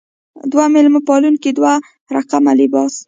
دوه مېلمه پالونکې دوه رقمه لباس.